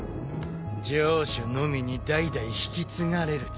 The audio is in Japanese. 城主のみに代々引き継がれる力。